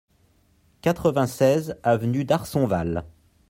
quatre-vingt-seize avenue d'Arsonval